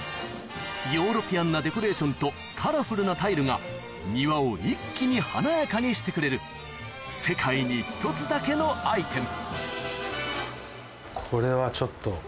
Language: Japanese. ヨーロピアンなデコレーションとカラフルなタイルが庭を一気に華やかにしてくれる世界に１つだけのアイテム